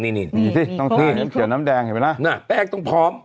นี่นี่สิต้องซื้อน้ำเขียวน้ำแดงเห็นไหมล่ะแป้งต้องพร้อม